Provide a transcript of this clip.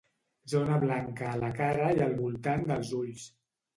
Zona blanca a la cara i al voltant dels ulls.